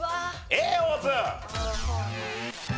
Ａオープン！